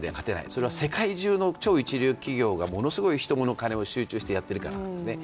それは世界中の超一流企業がものすごい人、モノ、金を集中してやっているからですね。